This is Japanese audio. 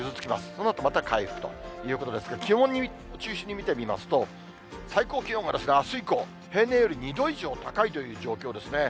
そのあとまた回復ということですけれども、気温を中心に見てみますと、最高気温があす以降、平年より２度以上高いという状況ですね。